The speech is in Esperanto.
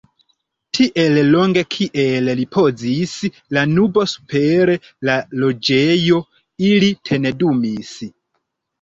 Tiel longe kiel ripozis la nubo super la Loĝejo, ili tendumis.